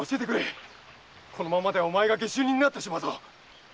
このままではお前が下手人になってしまうぞ！